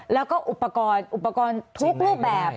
แล้วก็อุปกรณ์ทุกรูปแบบ